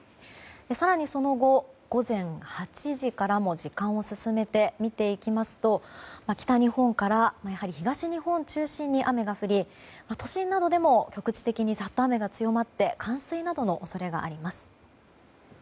更に、その後午前８時からも時間を進めて見ていきますと北日本から、やはり東日本中心に雨が降り、都心などでも局地的にざっと雨が強まって冠水などの恐れがあります。